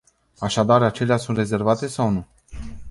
Așadar, acelea sunt rezerve sau nu?